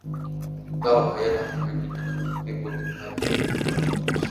তাও ভাইয়ের হাতে কয়েকটি টাকা গুঁজে দিয়ে বলত, ভাই, তুই খরচ করিস।